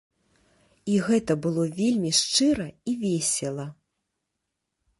І гэта было вельмі шчыра і весела.